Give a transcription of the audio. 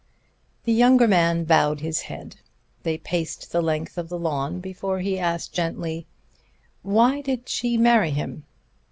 The younger man bowed his head. They paced the length of the lawn before he asked gently: "Why did she marry him?"